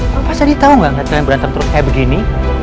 lo pasti tau gak gak kalian berantem terus kayak begini